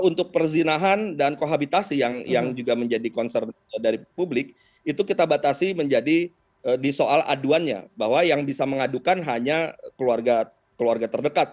untuk perzinahan dan kohabitasi yang juga menjadi concern dari publik itu kita batasi menjadi di soal aduannya bahwa yang bisa mengadukan hanya keluarga terdekat